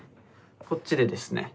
こっちでですね